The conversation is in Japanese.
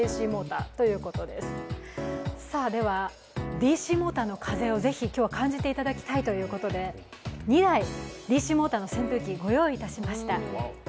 ＤＣモーターの風をぜひ感じてもらいたいということで２台、ＤＣモーターの扇風機ご用意いたしました。